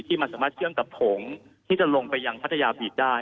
มันสามารถเชื่อมกับโถงที่จะลงไปยังพัทยาบีดได้